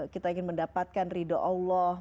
kita ingin mendapatkan ridho allah